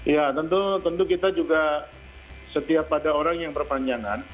ya tentu kita juga setiap ada orang yang perpanjangan